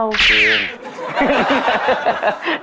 จริง